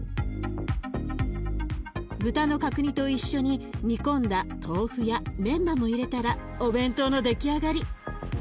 豚の角煮と一緒に煮込んだ豆腐やメンマも入れたらお弁当の出来上がり。